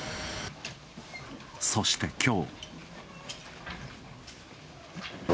そして、きょう。